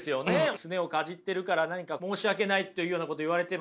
すねをかじってるから何か申し訳ないというようなこと言われてませんでした？